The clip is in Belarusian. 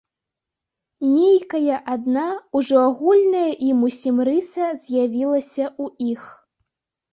Нейкая адна, ужо агульная ім усім рыса з'явілася ў іх.